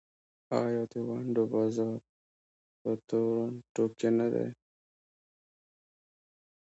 آیا د ونډو بازار په تورنټو کې نه دی؟